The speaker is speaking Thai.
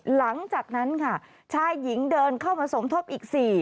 หลังจากนั้นค่ะชายหญิงเดินเข้ามาสมทบอีก๔